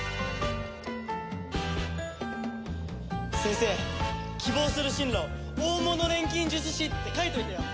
先生希望する進路「大物錬金術師」って書いといてよ。